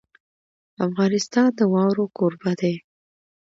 افغانستان د واوره کوربه دی.